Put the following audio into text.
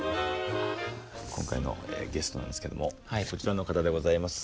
今回のゲストなんですけどもこちらの方でございます。